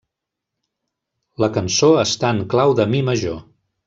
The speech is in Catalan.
La cançó està en clau de Mi Major.